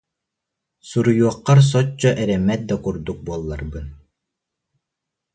суруйуоххар соччо эрэммэт да курдук буолларбын